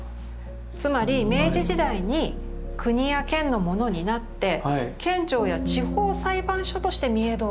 つまり明治時代に国や県のものになって県庁や地方裁判所として御影堂は使われていたんです。